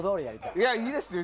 いや、いいですよ。